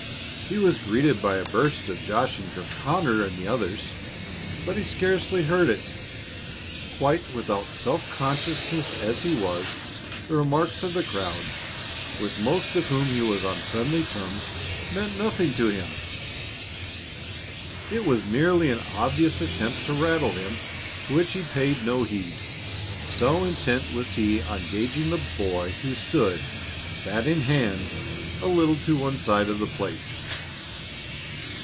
He was greeted by a burst of joshing from Conners and the others, but he scarcely heard it. Quite without self consciousness as he was, the remarks of the crowd, with most of whom he was on friendly terms, meant nothing to him. It was merely an obvious attempt to rattle him to which he paid no heed, so intent was he on gaging the boy who stood, bat in hand, a little to one side of the plate.